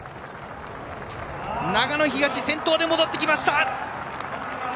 長野東、先頭で戻ってきました！